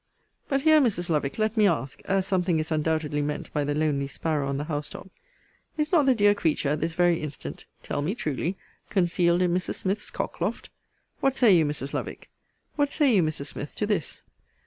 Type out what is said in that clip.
But here, Mrs. Lovick, let me ask, as something is undoubtedly meant by the lonely sparrow on the house top, is not the dear creature at this very instant (tell me truly) concealed in Mrs. Smith's cockloft? What say you, Mrs. Lovick? What say you, Mrs. Smith, to this?